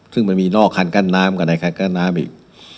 ซึ่งมันมีนอกคันกั้นน้ำกับในคันกั้นน้ำอีก